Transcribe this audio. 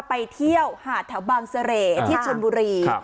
ไปเที่ยวหาดแถวบางเสร่ที่ชนบุรี